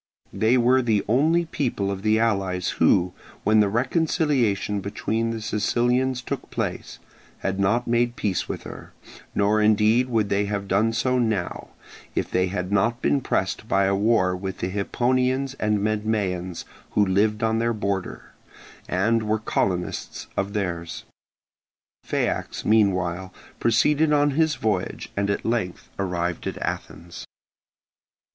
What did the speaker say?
They were the only people of the allies who, when the reconciliation between the Sicilians took place, had not made peace with her; nor indeed would they have done so now, if they had not been pressed by a war with the Hipponians and Medmaeans who lived on their border, and were colonists of theirs. Phaeax meanwhile proceeded on his voyage, and at length arrived at Athens.